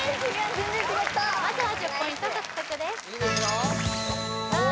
全然違ったまずは１０ポイント獲得ですいいですよさあ